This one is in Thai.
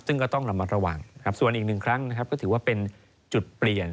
ซึ่งก็ต้องระมัดระวังนะครับส่วนอีกหนึ่งครั้งนะครับก็ถือว่าเป็นจุดเปลี่ยน